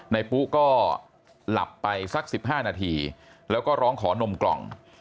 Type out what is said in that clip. ปุ๊ก็หลับไปสัก๑๕นาทีแล้วก็ร้องขอนมกล่อง